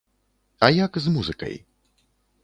А як з музыкай?